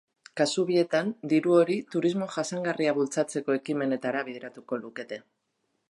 Kasu bietan diru hori turismo jasangarria bultzatzeko ekimenetara bideratuko lukete.